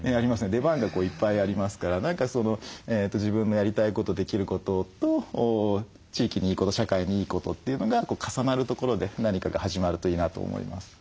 出番がいっぱいありますから何か自分のやりたいことできることと地域にいいこと社会にいいことというのが重なるところで何かが始まるといいなと思います。